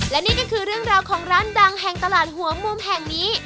และนี่ก็คือเรื่องราวของร้านดังแห่งตลาดหัวมุมแห่งนี้